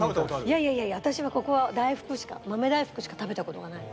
いやいやいやいや私はここは大福しか豆大福しか食べた事がない。